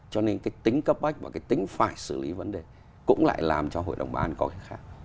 cho nên cái tính cấp bách và cái tính phải xử lý vấn đề cũng lại làm cho hội đồng bà an có cái khác